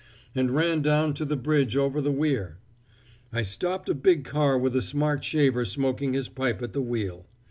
and ran down to the bridge over the weir. I stopped a big car with a smart shaver smoking his pipe at the wheel.